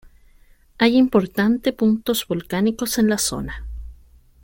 Hay importante puntos volcánicos en la zona.